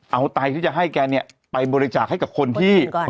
เอาไตที่จะให้แกเนี่ยไปบริจาคให้กับคนที่